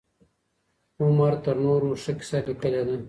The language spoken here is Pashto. هومر تر نورو ښه کيسه ليکلې ده.